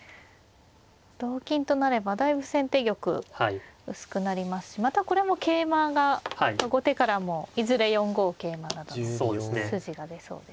同金となればだいぶ先手玉薄くなりますしまたこれも桂馬が後手からもいずれ４五桂馬などの筋が出そうですね。